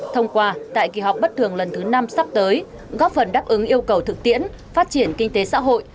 thông qua tại kỳ họp bất thường lần thứ năm sắp tới góp phần đáp ứng yêu cầu thực tiễn phát triển kinh tế xã hội